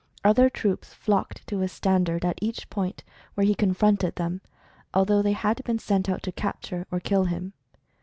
Other troops flocked to his standard at each point where he confronted them, al though they had been sent out to capture or kill him.